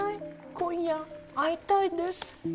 「今夜会いたいです」